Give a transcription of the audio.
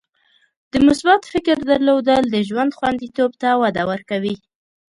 د مثبت فکر درلودل د ژوند خوندیتوب ته وده ورکوي.